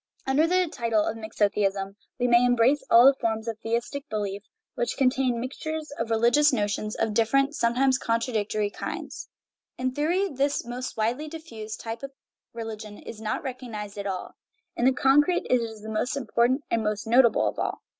Under the title of mixotheism we may embrace all the forms of theistic belief which contain mixtures of re ligious notions of different, sometimes contradictory, kinds. In theory this most widely diffused type of religion is not recognized at all; in the concrete it is the most important and most notable of all.